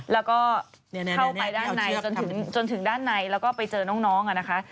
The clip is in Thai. แล้วก็เข้าไปด้านในจนถึงด้านในแล้วก็ไปเจอน้องนะคะ